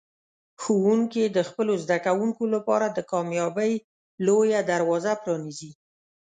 ښوونکي د خپلو زده کوونکو لپاره د کامیابۍ لوی دروازه پرانیزي.